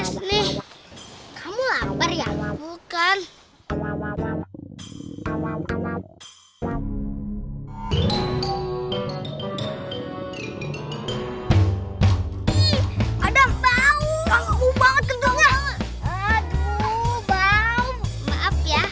sampai jumpa di video selanjutnya